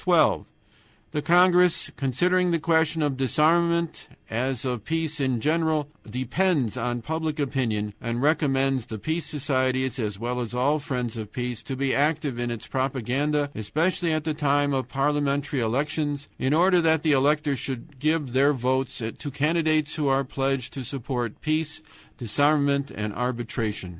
"12. The congress, considering the question of disarmament, as of peace in general, depends on public opinion, recommends the peace societies, as well as all friends of peace, to be active in its propaganda, especially at the time of parliamentary elections, in order that the electors should give their votes to candidates who are pledged to support Peace, Disarmament, and Arbitration.